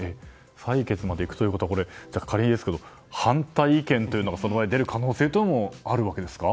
採決まで行くということは仮にですけど反対意見というのがその場合、出る可能性もあるわけですか？